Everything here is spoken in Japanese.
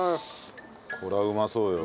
これはうまそうよ。